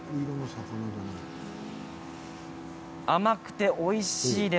甘くて、おいしいです。